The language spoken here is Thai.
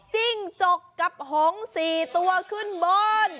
จิ้งจกกับหง๔ตัวขึ้นบน